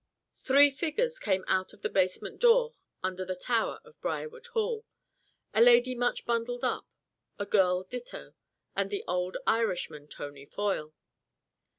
Three figures came out of the basement door under the tower of Briarwood Hall a lady much bundled up, a girl ditto, and the old Irishman, Tony Foyle.